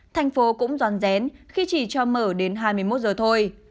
thành phố cũng giòn dén khi chỉ cho mở đến hai mươi một h thôi